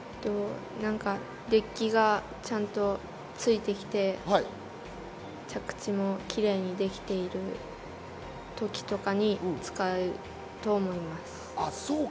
デッキがちゃんとついてきて、着地もキレイにできている時とかに使うと思います。